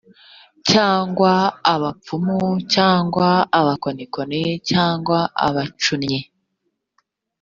cyangwa abapfumu cyangwa abakonikoni cyangwa abacunnyi